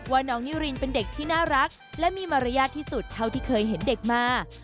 ว่าน้องนิรินเป็นเด็กที่น่ารักและมีมารยาทที่สุดเท่าที่เคยเห็นเด็กมา